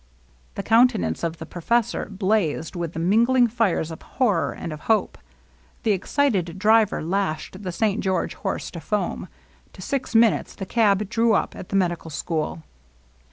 The countenance of the professor blazed with the mingling fires of horror and of hope. The excited driver lashed the St. George horse to foam ; in six minutes the cab drew up at the medical school.